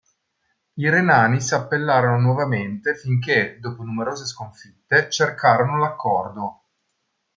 I renani si appellarono nuovamente finché, dopo numerose sconfitte, cercarono l'accordo.